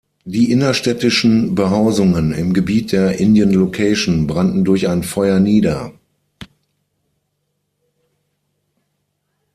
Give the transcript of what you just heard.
Die innerstädtischen Behausungen im Gebiet der "Indian Location" brannten durch ein Feuer nieder.